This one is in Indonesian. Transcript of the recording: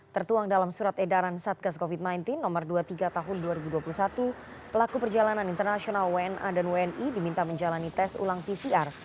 tertuang dalam surat edaran satgas covid sembilan belas nomor dua puluh tiga tahun dua ribu dua puluh satu pelaku perjalanan internasional wna dan wni diminta menjalani tes ulang pcr